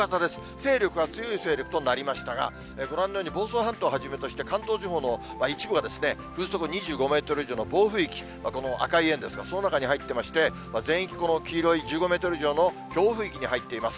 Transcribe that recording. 勢力が強い勢力となりましたが、ご覧のように房総半島をはじめとして関東地方の一部は風速２５メートル以上の暴風域、この赤い円ですが、その中に入ってまして、全域この黄色い１５メートル以上の強風域に入っています。